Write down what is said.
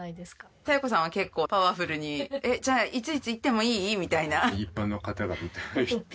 佐代子さんは結構パワフルに「えっじゃあいついつ行ってもいい？」みたいな。